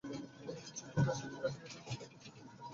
এতদিন ছুতো করে কাশীতে কাটিয়ে এলেন, একদিনের তরে তো মনে পড়ে নি।